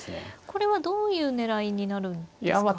これはどういう狙いになるんですか。